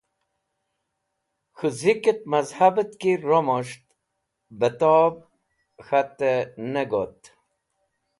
K̃hũ zikẽt mẽzhabẽt ki romos̃ht betẽb k̃hatẽ ne got.